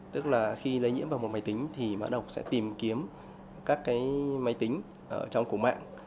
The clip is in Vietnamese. tức là khi lấy nhiễm vào một máy tính thì mã độc sẽ tìm kiếm các cái máy tính trong cổ mạng